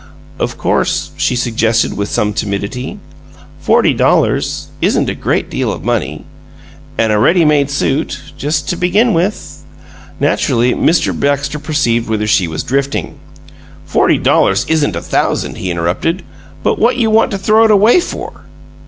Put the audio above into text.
"Of course," she suggested, with some timidity, "forty dollars isn't a great deal of money, and a ready made suit, just to begin with " Naturally, Mr. Baxter perceived whither she was drifting. "Forty dollars isn't a thousand," he interrupted, "but what you want to throw it away for?